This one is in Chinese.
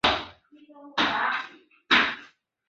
位于利津县西南部。